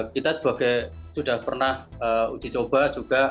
kita sebagai sudah pernah uji coba juga